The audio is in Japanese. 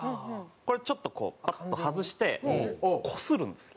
これちょっとパッと外してこするんです。